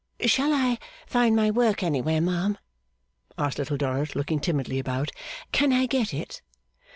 'Shall I find my work anywhere, ma'am?' asked Little Dorrit, looking timidly about; 'can I get it?